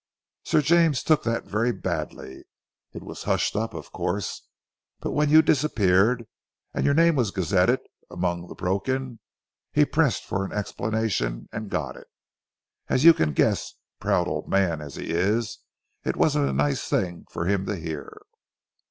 "Sir James took that very badly. It was hushed up, of course, but when you disappeared, and your name was gazetted among the broken, he pressed for an explanation, and got it. As you can guess, proud old man as he is, it wasn't a nice thing for him to hear."